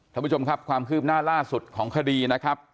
ท่านผู้ชมครับความคืบหน้าล่าสุดของคดีนะครับ